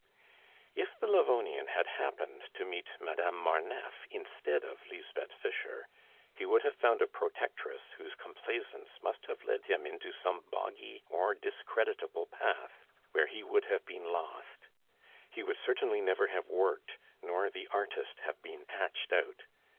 If the Livonian had happened to meet Madame Marneffe instead of Lisbeth Fischer, he would have found a protectress whose complaisance must have led him into some boggy or discreditable path, where he would have been lost. He would certainly never have worked, nor the artist have been hatched out.